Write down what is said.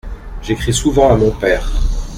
J’écris souvent à mon père.